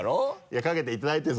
いやかけていただいて。